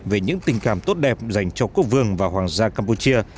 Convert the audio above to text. về những tình cảm tốt đẹp dành cho quốc vương và hoàng gia campuchia